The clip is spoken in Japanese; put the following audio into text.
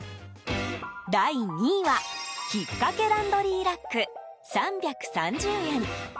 第２位はひっかけランドリーラック３３０円。